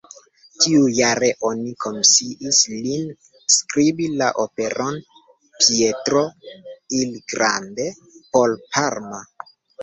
Tiujare oni komisiis lin skribi la operon "Pietro il Grande" por Parma.